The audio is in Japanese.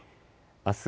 あす